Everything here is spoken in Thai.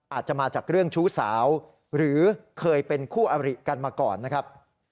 อาจจะมาจากเรื่องชู้สาวหรือเคยเป็นคู่อริกันมาก่อนนะครับ